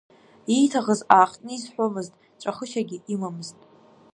Ииаҭхыз аахтны изҳәомызт, ҵәахышьагьы имамызт.